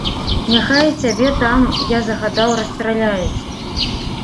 Няхай цябе там, я загадаў, расстраляюць.